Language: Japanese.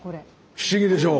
不思議でしょう。